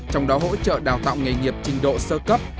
trong đó hỗ trợ đào tạo nghề nghiệp trình độ sơ cấp